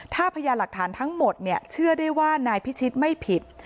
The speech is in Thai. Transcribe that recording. ถ้าพยานหลักฐานทั้งหมดเชื่อได้ว่านายพิชิตไม่ผิด